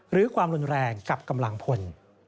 หรือความรุนแรงกับกำลังพล